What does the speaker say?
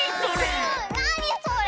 なにそれ？